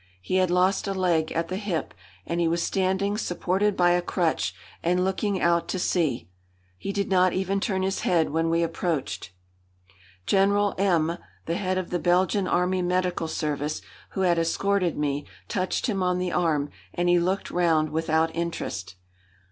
He had lost a leg at the hip, and he was standing supported by a crutch and looking out to sea. He did not even turn his head when we approached. General M , the head of the Belgian Army medical service, who had escorted me, touched him on the arm, and he looked round without interest.